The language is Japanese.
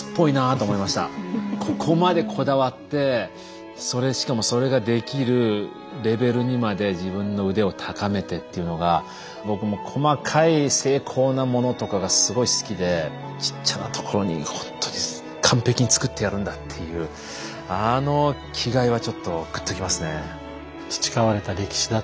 ここまでこだわってしかもそれができるレベルにまで自分の腕を高めてっていうのが僕も細かい精巧なモノとかがすごい好きでちっちゃなところにほんとに完璧に作ってやるんだっていうあの気概はちょっとグッときますね。